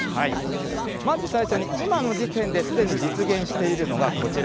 まず最初に、今の時点ですでに実現しているのがこちら。